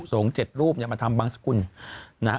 ส่ง๗รูปมาทำบังสกุลนะฮะ